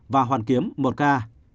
và hoàn kiếm một ca